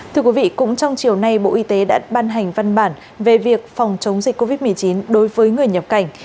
thưa quý vị cũng trong chiều nay bộ y tế đã ban hành văn bản về việc phòng chống dịch covid một mươi chín đối với người nhập cảnh